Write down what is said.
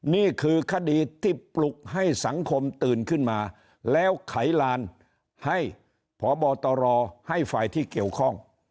นี่คือคดีที่ปลุกให้สังคมตื่นขึ้นมาแล้วไขลานให้พบตรให้ฝ่ายที่เกี่ยวข้อง